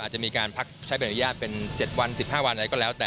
จะมีการพักใช้ใบอนุญาตเป็น๗วัน๑๕วันอะไรก็แล้วแต่